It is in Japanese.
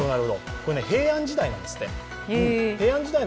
これね、平安時代なんですって。